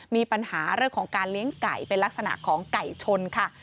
มีปัญหาเรื่องของการเลี้ยงไก่เป็นลักษณะของไก่ชนค่ะ